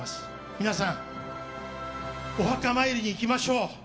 皆さん、お墓参りに行きましょう。